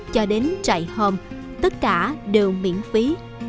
cho đến chạy hôm tất cả đều miễn phí